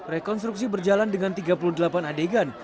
rekonstruksi berjalan dengan tiga puluh delapan adegan